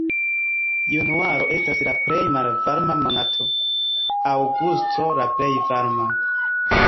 Januaro estas la plej malvarma monato, aŭgusto la plej varma.